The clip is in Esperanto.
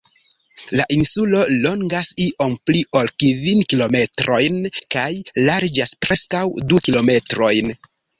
La insulo longas iom pli ol kvin kilometrojn kaj larĝas preskaŭ du kilometrojn.